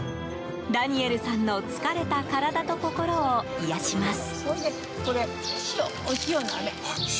ダニエルさんの疲れた体と心を癒やします。